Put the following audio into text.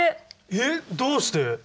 えっどうして？